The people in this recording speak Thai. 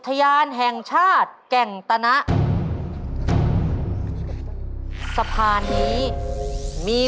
ตอนนี้ไม่มีใครผิดเลยนะครับหนึ่งค่ะมากครับตอนนี้๑บาท